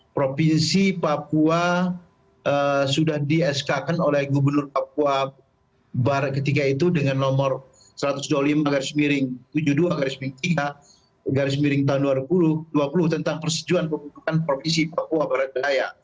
provinsi papua sudah di sk kan oleh gubernur papua barat ketika itu dengan nomor satu ratus dua puluh lima garis miring tujuh puluh dua garis miring tiga garis miring tahun dua ribu dua puluh tentang persetujuan pembentukan provinsi papua barat daya